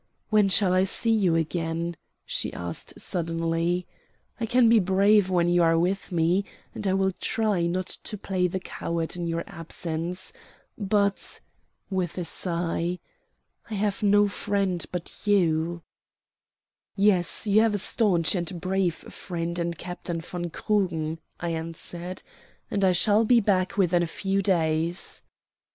"When shall I see you again?" she asked suddenly. "I can be brave when you are with me, and I will try not to play the coward in your absence. But" with a sigh "I have no friend but you." "Yes, you have a stanch and brave friend in Captain von Krugen," I answered, "and I shall be back within a few days."